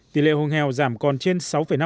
tỷ lệ hương heo giảm còn trên sáu năm